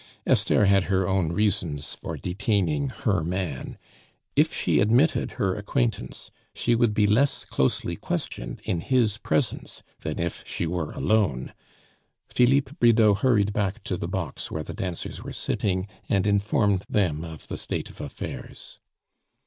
Esther had her own reasons for detaining "her man." If she admitted her acquaintance, she would be less closely questioned in his presence than if she were alone. Philippe Bridau hurried back to the box where the dancers were sitting, and informed them of the state of affairs.